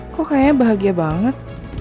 kok kayaknya bahagia banget